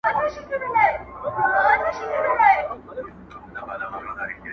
مُلا او ډاکټر دواړو دي دامونه ورته ایښي-